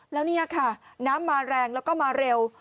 แล้วนี่ค่ะน้ำมาแรงแล้วก็มาเร็ว